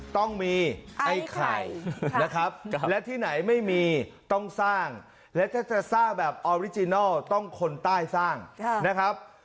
ต้องมีไอเหน่กะน้ำนะครับนะครับและที่ไหนไม่มีต้องสร้างแบบต้องคนใต้สร้างนะครับ